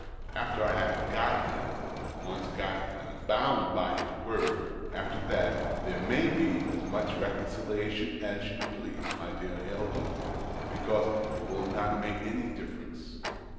After I have got him — once got him — bound him by his word — after that, there may be as much reconciliation as you please, my dear Hilda, because it will not make any difference.